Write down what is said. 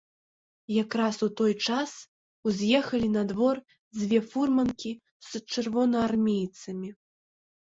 Якраз у той час уз'ехалі на двор дзве фурманкі з чырвонаармейцамі.